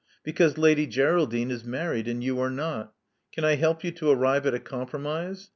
Because Lady Geraldine is married and you are not. Can I help you to arrive at a compromise?